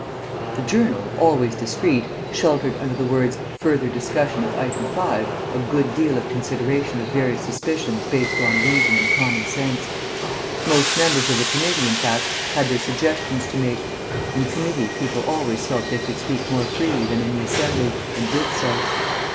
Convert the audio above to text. The Journal, always discreet, sheltered under the words "further discussion of Item 5" a good deal of consideration of various suspicions based on reason and common sense. Most members of the committee, in fact, had their suggestions to make; in committee people always felt they could speak more freely than in the Assembly, and did so.